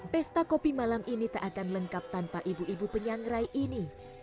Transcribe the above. pesta kopi malam ini tak akan lengkap tanpa ibu ibu penyangrai ini